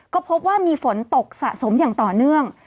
ก็พบว่ามีฝนตกสะสมอย่างต่อเนื่อง